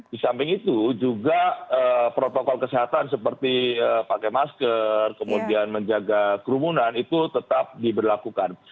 di samping itu juga protokol kesehatan seperti pakai masker kemudian menjaga kerumunan itu tetap diberlakukan